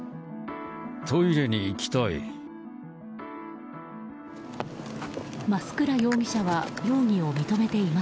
トイレに行きたい。